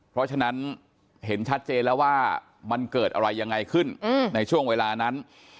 เพราะฉะนั้นเห็นชัดเจนแล้วว่ามันเกิดอะไรยังไงขึ้นในช่วงเวลานั้น